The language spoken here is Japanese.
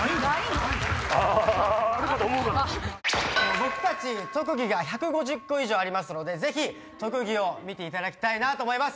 僕たち特技が１５０個以上ありますのでぜひ特技を見ていただきたいなと思います。